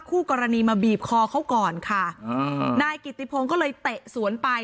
คู่กรณีมาบีบคอเขาก่อนค่ะอ่านายกิติพงศ์ก็เลยเตะสวนไป